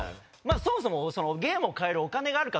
そもそも。